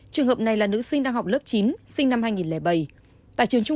trường hợp này là nữ sinh đang học lớp chín sinh năm hai nghìn bảy